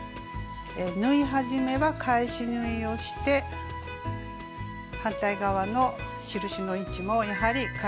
縫い始めは返し縫いをして反対側の印の位置もやはり返し縫いをします。